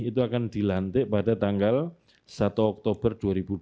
itu akan dilantik pada tanggal satu oktober dua ribu dua puluh